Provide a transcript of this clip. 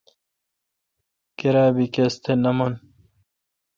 کیراب بی کس تھ نہ من۔